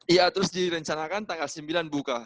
iya terus direncanakan tanggal sembilan buka